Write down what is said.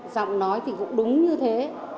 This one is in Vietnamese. giọng nói thì cũng đúng như thế